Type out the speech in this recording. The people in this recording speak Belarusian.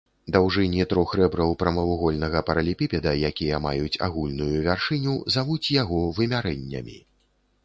Даўжыні трох рэбраў прамавугольнага паралелепіпеда, якія маюць агульную вяршыню, завуць яго вымярэннямі.